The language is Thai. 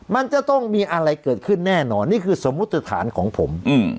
มันจะต้องมีอะไรเกิดขึ้นแน่นอนนี่คือสมมุติฐานของผม